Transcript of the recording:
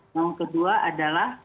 yang kedua adalah